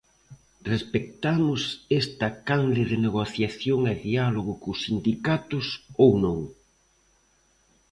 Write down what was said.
¿Respectamos esta canle de negociación e diálogo cos sindicatos ou non?